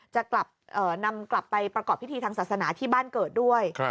จะกลับนำกลับไปประกอบพิธีทางศาสนาที่บ้านเกิดด้วย